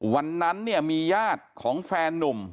วันนั้นมีญาติของแฟนนุ่ม